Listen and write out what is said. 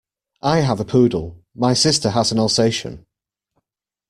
I have a poodle, my sister has an Alsatian